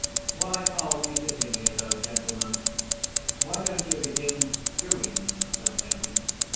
"Why are we sitting here though, gentlemen? Why don't you begin doing something?"